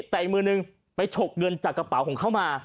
แต่อีกมือนึงไปฉกเงินจากกระเป๋าของเขามา